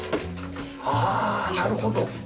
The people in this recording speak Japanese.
ああなるほど。